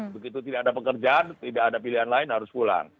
begitu tidak ada pekerjaan tidak ada pilihan lain harus pulang